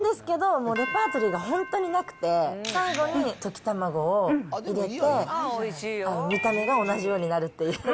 やるんですけど、もうレパートリーが本当になくて、最後に溶き卵を入れて、見た目が同じようになるっていう。